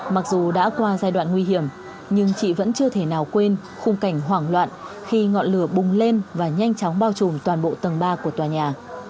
mặc dù đã qua giai đoạn nguy hiểm nhưng chị vẫn chưa thể nào quên khung cảnh hoảng loạn khi ngọn lửa bùng lên và nhanh chóng bao trùm toàn bộ tầng ba của tòa nhà